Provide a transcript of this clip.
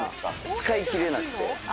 使いきれなくて。